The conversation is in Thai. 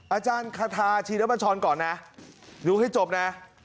อาจารย์คาทาชีนบัชรก่อนนะดูให้จบนะ